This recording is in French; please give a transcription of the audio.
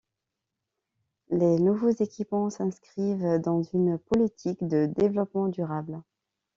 Les nouveaux équipements s'inscrivent dans une politique de développement durable.